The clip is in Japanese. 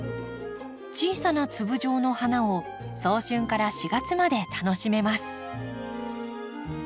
小さな粒状の花を早春から４月まで楽しめます。